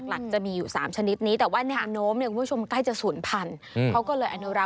ก็หลักจะมีอยู่๓ชนิดนี้แต่ว่าน้มคุณผู้ชมใกล้จะศูนย์พันธุ์